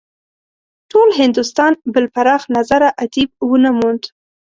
ټول هندوستان بل پراخ نظره ادیب ونه موند.